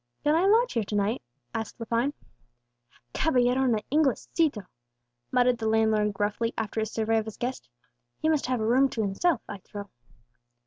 "Can I lodge here to night?" asked Lepine. "A caballero and Inglesito," muttered the landlord gruffly, after his survey of his guest. "He must have a room to himself, I trow."